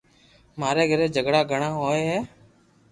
ماري گھري جھگڙا گڻا ھوئي ھي